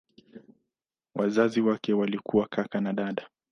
Wazazi wake walikuwa kaka na dada.